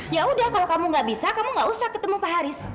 ya udah kalau kamu gak bisa kamu gak usah ketemu pak haris